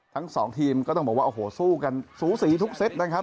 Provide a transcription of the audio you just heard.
ทั้งสองทีมก็ต้องบอกว่าโอ้โหสู้กันสูสีทุกเซตนะครับ